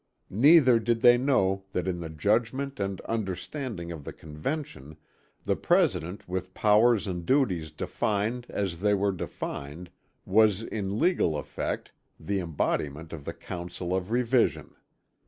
Neither did they know that in the judgment and understanding of the Convention the President with powers and duties defined as they were defined was in legal effect the embodiment of the council of revision.